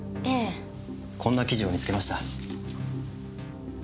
こんな記事を見つけました。